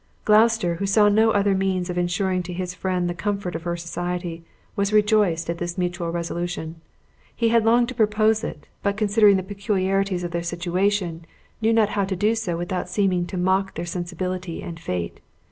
Gloucester, who saw no other means of insuring to his friend the comfort of her society, was rejoiced at this mutual resolution. He had longed to propose it; but considering the peculiarities of their situation, knew not how to do so without seeming to mock their sensibility and fate.